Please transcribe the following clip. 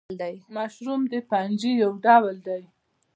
مشروم د فنجي یو ډول دی